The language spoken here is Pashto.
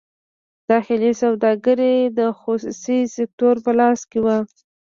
داخلي سوداګري د خصوصي سکتور په لاس کې وه.